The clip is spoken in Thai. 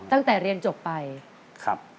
ตั้งแต่เรียนจบไปครับ